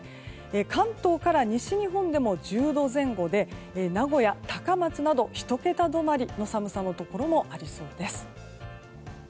関東から西日本でも１０度前後で名古屋、高松など１桁止まりの寒さのところもありそうです。